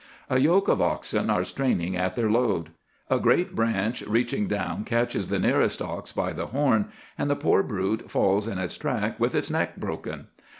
"A yoke of oxen are straining at their load: a great branch reaching down catches the nearest ox by the horn, and the poor brute falls in its track with its neck broken.